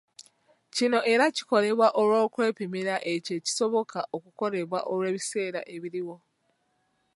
Kino era kikolebwa olw’okwepimira ekyo ekisoboka okukolebwa olw’ebiseera ebiriwo.